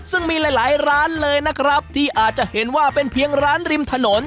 ซึ่งมีหลายร้านเลยนะครับที่อาจจะเห็นว่าเป็นเพียงร้านริมถนน